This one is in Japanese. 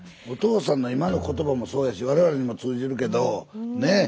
お父さんの今の言葉もそうやし我々にも通じるけどね。